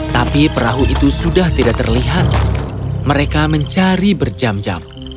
tapi perahu itu sudah tidak terlihat mereka mencari berjam jam